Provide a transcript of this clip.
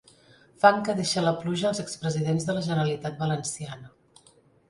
Fang que deixa la pluja als expresidents de la Generalitat valenciana.